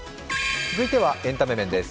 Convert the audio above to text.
続いてはエンタメ面です。